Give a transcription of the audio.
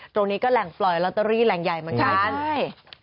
ตรงนี้ก็แหล่งปล่อยลอตเตอรี่แหล่งใหญ่เหมือนกันใช่